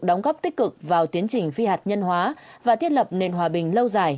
đóng góp tích cực vào tiến trình phi hạt nhân hóa và thiết lập nền hòa bình lâu dài